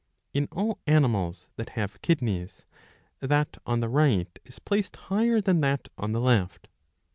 In all animals that have kidneys, that on the right is placed higher than that on the left.